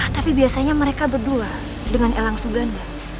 tapi biasanya mereka berdua dengan elang suganda